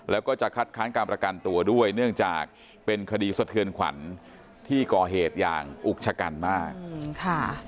แล้วก็จะคัดค้านการประกันตัวด้วยเนื่องจากเป็นคดีสะเทือนขวัญที่ก่อเหตุอย่างอุกชะกันมากค่ะ